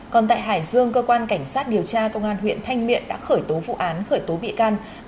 còn tại hải dương cơ quan cảnh sát điều tra công an huyện thanh miện đã khởi tố vụ án khởi tố bị can